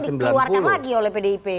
tapi kan ini isunya dikeluarkan lagi oleh pdip